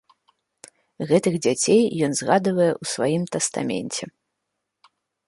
Гэтых дзяцей ён згадвае ў сваім тастаменце.